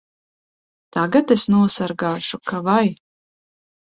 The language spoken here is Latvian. Tagad es nosargāšu ka vai!